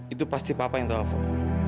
itu pasti papa yang telepon